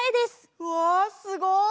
うわすごい！